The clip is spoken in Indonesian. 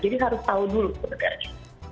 jadi harus tau dulu sebenarnya